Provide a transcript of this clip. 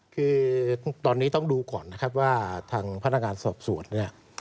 คือตอนนี้ต้องดูก่อนนะครับว่าทางพนักงานสอบสวนเนี่ย